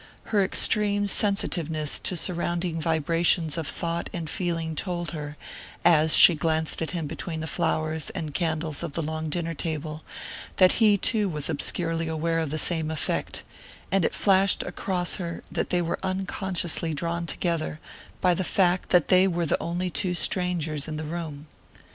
Her extreme sensitiveness to surrounding vibrations of thought and feeling told her, as she glanced at him between the flowers and candles of the long dinner table, that he too was obscurely aware of the same effect; and it flashed across her that they were unconsciously drawn together by the fact that they were the only two strangers in the room.